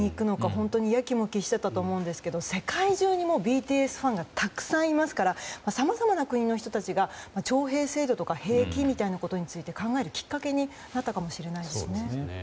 本当にやきもきしていたと思うんですけど世界中にＢＴＳファンがたくさんいますからさまざまな国の人たちが徴兵制度とか兵役について考えるきっかけになったかもしれないですね。